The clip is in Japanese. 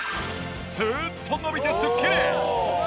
すーっと伸びてすっきり！